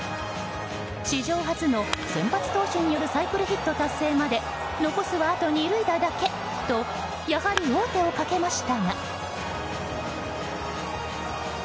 史上初の先発投手によるサイクルヒット達成まで残すは、あと２塁打だけとやはり王手をかけましたが。